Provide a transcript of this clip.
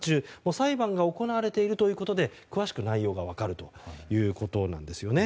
裁判が行われているということで詳しく内容が分かるということです。